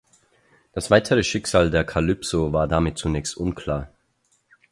Das weitere Schicksal der Calypso war damit zunächst unklar.